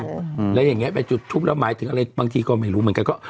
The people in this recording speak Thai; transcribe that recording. อืมแล้วอย่างเงี้ไปจุดทุบแล้วหมายถึงอะไรบางทีก็ไม่รู้เหมือนกันก็